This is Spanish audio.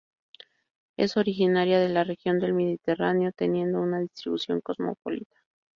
Es originaria de la región del Mediterráneo teniendo una distribución cosmopolita.